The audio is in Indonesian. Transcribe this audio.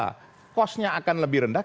karena kosnya akan lebih rendah